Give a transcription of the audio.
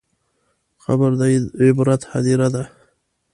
قبر د عبرت هدیره ده.